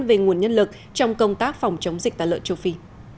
về nguồn nhân lực trong công tác phòng chống dịch tả lợn châu phi